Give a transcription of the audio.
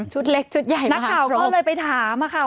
ชุดเล็กชุดใหญ่มากครบนักข่าวก็เลยไปถามค่ะ